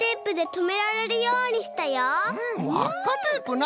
わっかテープな！